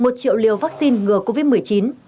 một triệu liều vaccine ngừa covid một mươi chín